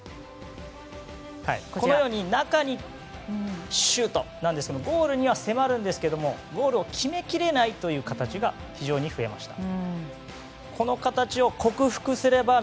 中に行ってシュートなんですけどゴールには迫るんですがゴールを決めきれないという形が非常に増えました。